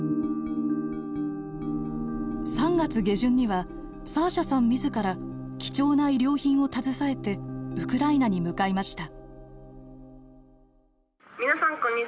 ３月下旬にはサーシャさん自ら貴重な医療品を携えてウクライナに向かいました。